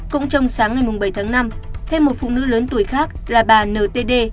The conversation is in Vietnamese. cũng trong sáng ngày bảy tháng năm thêm một phụ nữ lớn tuổi khác là bà ntd